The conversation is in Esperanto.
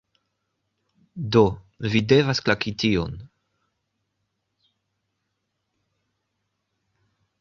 Do, vi devas klaki tion